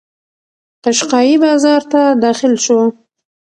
قشقایي بازار ته داخل شو.